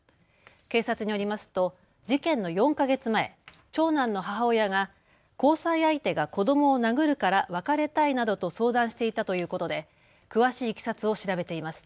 警察によりますと事件の４か月前、長男の母親が交際相手が子どもを殴るから別れたいなどと相談していたということで詳しいいきさつを調べています。